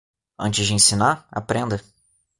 Antes de ensinar, aprenda.